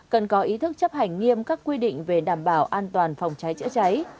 cần có ý thức chấp hành nghiêm các quy định về đảm bảo an toàn phòng cháy chữa cháy